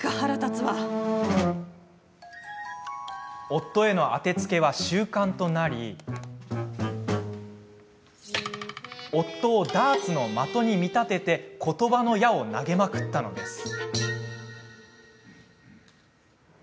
夫への当てつけは習慣となり夫をダーツの的に見立てて言葉の矢を投げまくったのです。